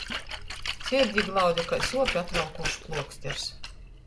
Sirdi glaude kai suopi atvalkūšs pluoksters.